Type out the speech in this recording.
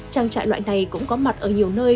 trang trại loại này cũng có mặt ở nhiều nơi